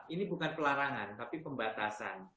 ini bukan pelarangan tapi pembatasan